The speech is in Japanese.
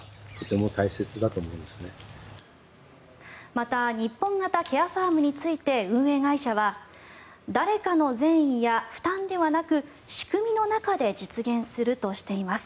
また日本型ケアファームについて運営会社は誰かの善意や負担ではなく仕組みの中で実現するとしています。